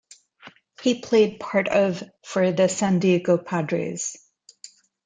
He played part of for the San Diego Padres.